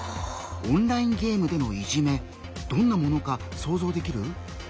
オンラインゲームでのいじめどんなものか想像できる？